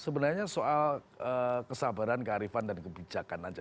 hanya soal kesabaran kearifan dan kebijakan saja